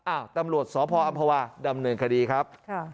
อ้าวตำรวจสพอัมพวาดำเนินคดีครับ